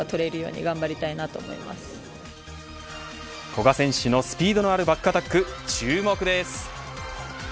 古賀選手のスピードのあるバックアタック注目です。